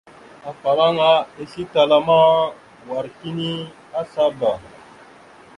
Afalaŋa islétala ma wa kini azlaba.